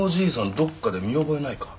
どっかで見覚えないか？